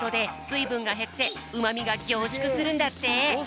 いぶんがへってうまみがぎょうしゅくするんだって。